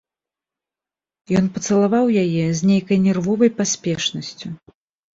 Ён пацалаваў яе з нейкай нервовай паспешнасцю.